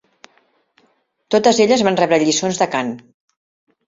Totes elles van rebre lliçons de cant.